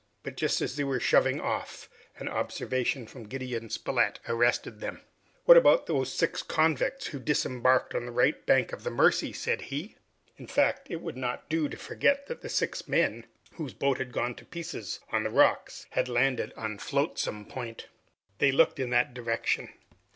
But just as they were shoving off, an observation from Gideon Spilett arrested them. "What about those six convicts who disembarked on the right bank of the Mercy?" said he. In fact, it would not do to forget that the six men whose boat had gone to pieces on the rocks had landed at Flotsam Point. They looked in that direction.